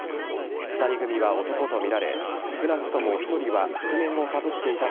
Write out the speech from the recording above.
２人組は男とみられ少なくとも１人は覆面をかぶっていた